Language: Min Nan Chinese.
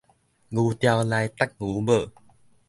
牛牢內觸牛母